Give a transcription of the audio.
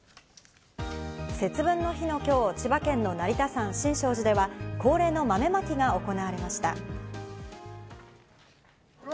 節分の日の今日、千葉県の成田山新勝寺では恒例の豆まきが行われました。